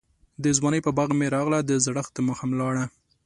دځوانۍ په باغ می راغله، دزړښت دماښام لړه